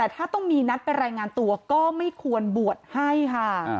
แต่ถ้าต้องมีนัดไปรายงานตัวก็ไม่ควรบวชให้ค่ะ